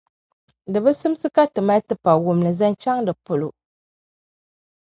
di bi simdi ka ti mali tipawumli zaŋ chaŋ di polo.